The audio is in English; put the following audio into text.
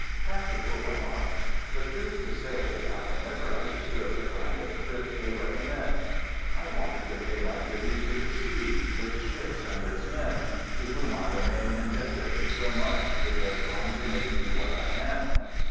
Practical remarks. But, truth to say, I have never understood the kind of thrift they recommend. I wanted to pay my tribute to the sea, its ships and its men, to whom I remain indebted for so much which has gone to make me what I am.